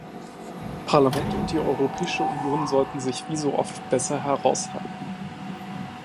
Parlament und die Europäische Union sollten sich wie so oft besser heraushalten.